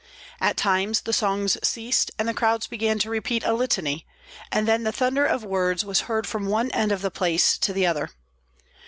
At times the songs ceased and the crowds began to repeat a litany, and then the thunder of words was heard from one end of the place to the other.